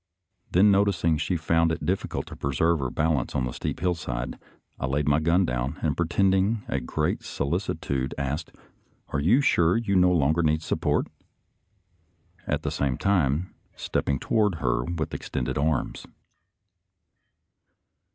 Then noticing she found it difficult to preserve her bal ance on the steep hillside, I laid my gun down, and pretending a great solicitude, asked, "Are you sure you no longer need support.?" — at the same time stepping toward her with extended arms.